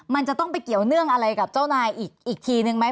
มันจะต้องไปเกี่ยวเนื่องอะไรกับเจ้านายอีกทีนึงไหม